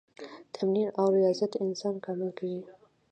تمرین او ریاضت انسان کامل کوي.